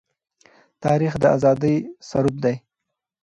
تاریخ د آزادۍ سرود دی.